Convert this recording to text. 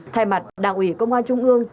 thay mặt đảng ủy công an trung ương